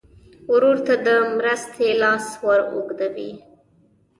ورور ته د مرستې لاس ور اوږدوې.